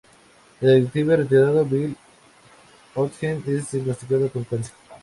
El detective retirado Bill Hodges es diagnosticado con cáncer.